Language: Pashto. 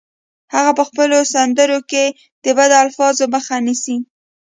هغه په خپلو سندرو کې د بدو الفاظو مخه نیسي